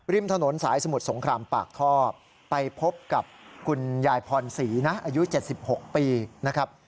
ริมถนนสายสมุทรสงครามปากท่อไปพบกับคุณยายพรศรีนะอายุ๗๖ปีนะครับ